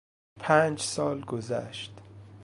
پنج سال گذشت.